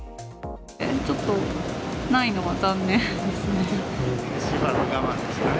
ちょっとないのは残念ですね。